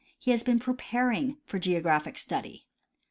He has been preparing for geographic study.